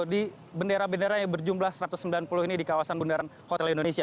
di bendera bendera yang berjumlah satu ratus sembilan puluh ini di kawasan bundaran hotel indonesia